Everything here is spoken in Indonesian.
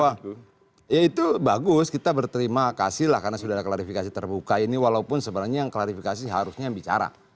wah ya itu bagus kita berterima kasih lah karena sudah ada klarifikasi terbuka ini walaupun sebenarnya yang klarifikasi harusnya yang bicara